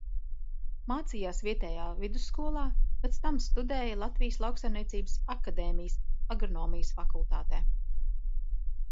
Mācījās vietējā vidusskolā, pēc tam studēja Latvijas Lauksaimniecības akadēmijas Agronomijas fakultātē.